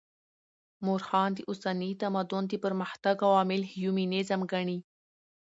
مؤرخان د اوسني تمدن د پرمختګ عوامل هیومنيزم ګڼي.